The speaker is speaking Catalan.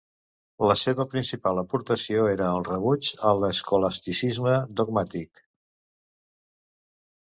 La seva principal aportació era el rebuig a l'escolasticisme dogmàtic.